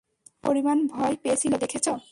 কী পরিমাণ ভয় পেয়েছিল দেখেছ?